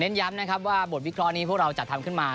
ย้ำนะครับว่าบทวิเคราะห์นี้พวกเราจัดทำขึ้นมา